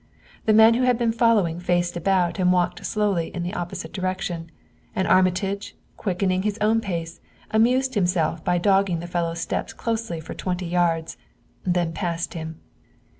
The man who had been following faced about and walked slowly in the opposite direction, and Armitage, quickening his own pace, amused himself by dogging the fellow's steps closely for twenty yards, then passed him.